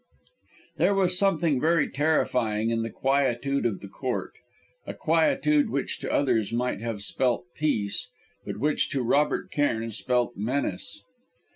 There was something very terrifying in the quietude of the court a quietude which to others might have spelt peace, but which, to Robert Cairn, spelled menace.